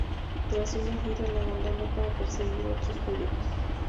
Tras una gira la abandonó para perseguir otros proyectos.